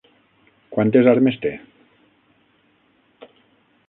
Quantes armes té?